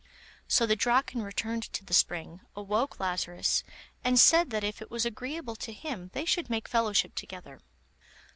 So the Draken returned to the spring, awoke Lazarus, and said that if it was agreeable to him they should make fellowship together.